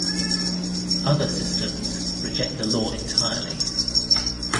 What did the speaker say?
Other systems reject the law entirely.